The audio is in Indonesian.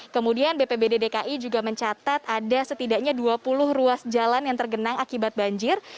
kemudian bpbd dki juga mencatat ada setidaknya dua puluh ruas jalan yang tergenang akibat banjir